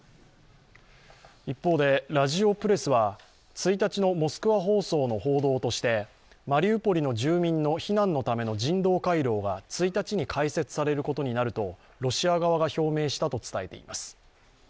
一方でラヂオプレスは１日のモスクワ放送の報道としてマリウポリの住民の避難のための人道回廊が１日に開設されることになるとロシア側が表明したと伝えています。